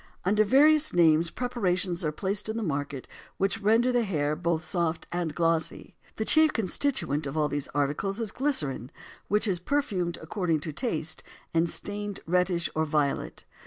Under various names preparations are placed on the market which render the hair both soft and glossy. The chief constituent of all these articles is glycerin which is perfumed according to taste and stained reddish or violet.